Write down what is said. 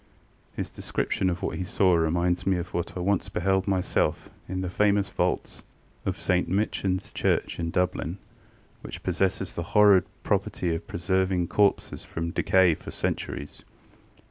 His description of what he saw reminds me of what I once beheld myself in the famous vaults of St MichanŌĆÖs Church in Dublin, which possess the horrid property of preserving corpses from decay for centuries.